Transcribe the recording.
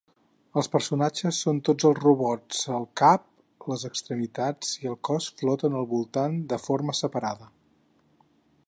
Els personatges són tots els robots el cap, les extremitats i el cos floten al voltant de forma separada.